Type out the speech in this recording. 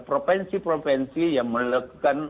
provinsi provinsi yang melakukan